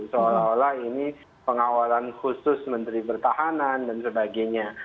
seolah olah ini pengawalan khusus menteri pertahanan dan sebagainya